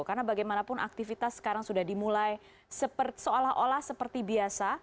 karena bagaimanapun aktivitas sekarang sudah dimulai seolah olah seperti biasa